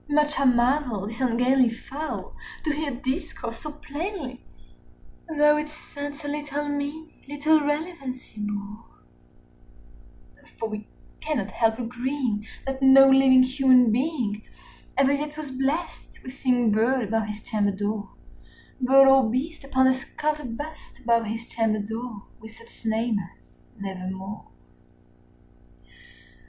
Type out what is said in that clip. Much I marvelled this ungainly fowl to hear discourse so plainly, Though its answer little meaning little relevancy bore; 50 For we cannot help agreeing that no living human being Ever yet was blessed with seeing bird above his chamber door, Bird or beast upon the sculptured bust above his chamber door, With such name as "Nevermore."